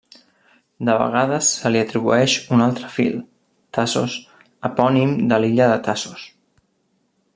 De vegades se li atribueix un altre fill, Tasos, epònim de l'illa de Tassos.